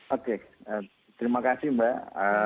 oke terima kasih mbak